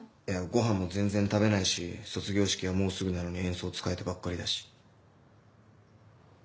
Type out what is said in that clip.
ごはんも全然食べないし卒業式はもうすぐなのに演奏つかえてばっかりだし。